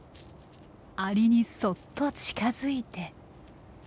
アリにそっと近づいて。